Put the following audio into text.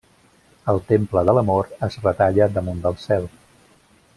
El temple de l'Amor es retalla damunt del cel.